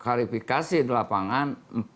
klarifikasi di lapangan empat ratus tujuh